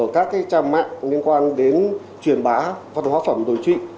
các trang mạng liên quan đến truyền bá văn hóa phẩm đổi trị